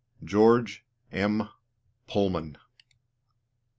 GEORGE M. PULLMAN.